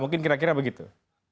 mungkin kira kira begitu